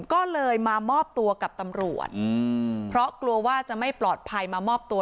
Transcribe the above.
ก็เลยมามอบตัวกับตำรวจเพราะกลัวว่าจะไม่ปลอดภัยมามอบตัว